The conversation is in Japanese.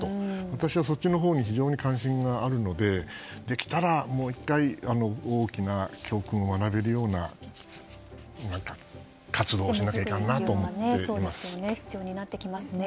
私はそっちのほうに非常に関心があるのでできたら大きな教訓を学べるような活動をしなきゃいかんなと思っています。